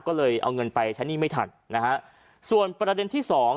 ก็เลยเอาเงินไปใช้หนี้ไม่ทันนะฮะส่วนประเด็นที่สอง